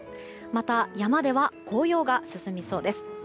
また、山では紅葉が進みそうです。